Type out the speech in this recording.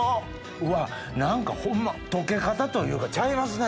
うわ何かホンマ溶け方というかちゃいますね！